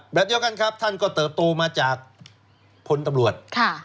แบบเดียวกันครับท่านก็เติบโตมาจากพลตำรวจ